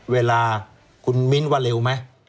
เวลาคุณมิ้นว่าเร็วไหม